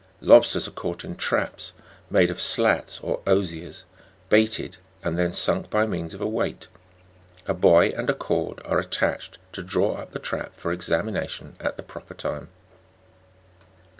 Lobsters are caught in traps, made of slats or osiers, baited, and then sunk by means of a weight ; a buoy and cord are attached to draw up the trap for examination, at the proper time.